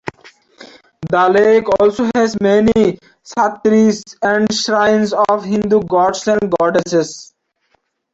The lake also has many chhatris and shrines of hindu Gods and goddesses.